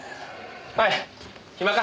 おい暇か？